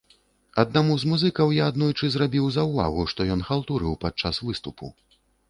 Аднаму з музыкаў я аднойчы зрабіў заўвагу, што ён халтурыў падчас выступу.